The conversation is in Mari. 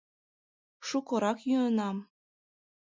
— Шукырак йӱынам...